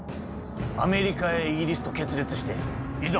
アメリカやイギリスと決裂して、いざ